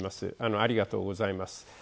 ありがとうございます。